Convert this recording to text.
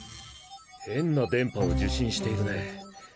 変な電波を受信しているね。